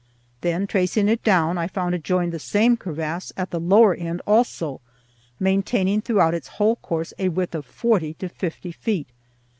Then, tracing it down, I found it joined the same crevasse at the lower end also, maintaining throughout its whole course a width of forty to fifty feet.